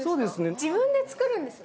自分で作るんですね？